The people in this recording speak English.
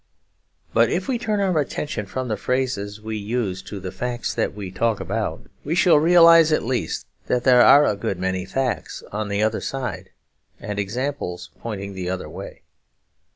But if we turn our attention from the phrases we use to the facts that we talk about, we shall realise at least that there are a good many facts on the other side and examples pointing the other way.